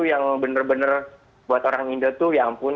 yang benar benar buat orang indo tuh ya ampun